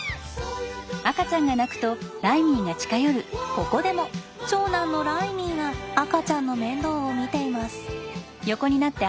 ここでも長男のライミーが赤ちゃんの面倒を見ています。